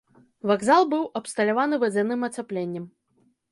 Вакзал быў абсталяваны вадзяным ацяпленнем.